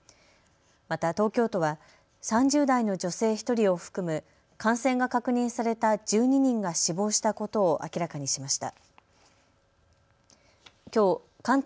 また東京都は３０代の女性１人を含む感染が確認された１２人が死亡したことを明らかにしました。